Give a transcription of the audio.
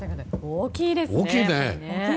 大きいですね。